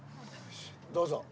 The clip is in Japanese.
どうぞ。